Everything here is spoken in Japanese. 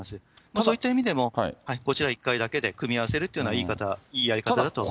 そういった意味でも、こちら１回だけで組み合わせるというのはいいやり方だと思います。